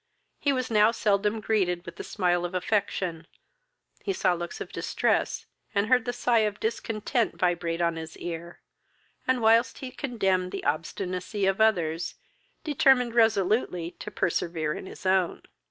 He was now seldom greeted with the smile of affection: he saw looks of distress, and heard the sigh of discontent vibrate on his ear; and, whilst he condemned the obstinacy of others, determined resolutely to persevere in his own.